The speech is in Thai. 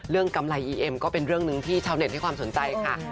กำไรอีเอ็มก็เป็นเรื่องหนึ่งที่ชาวเน็ตให้ความสนใจค่ะ